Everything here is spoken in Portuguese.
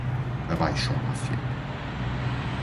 Abaixo à máfia.